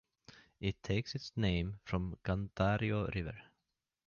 It takes its name from the Guadiaro river.